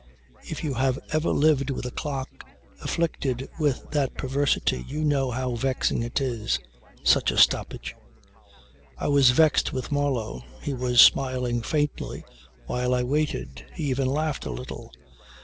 If you have ever lived with a clock afflicted with that perversity, you know how vexing it is such a stoppage. I was vexed with Marlow. He was smiling faintly while I waited. He even laughed a little.